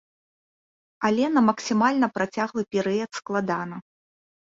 Але на максімальна працяглы перыяд складана.